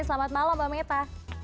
selamat malam mbak meta